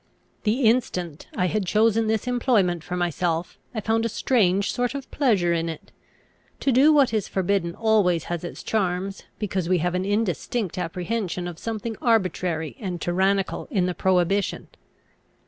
The instant I had chosen this employment for myself, I found a strange sort of pleasure in it. To do what is forbidden always has its charms, because we have an indistinct apprehension of something arbitrary and tyrannical in the prohibition.